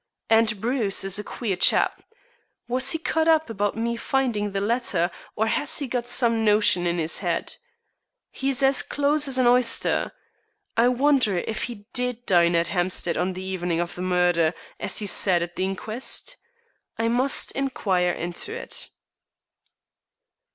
And Bruce is a queer chap. Was he cut up about me finding the letter, or has he got some notion in his head. He's as close as an oyster. I wonder if he did dine at Hampstead on the evening of the murder, as he said at the inquest? I must inquire into it."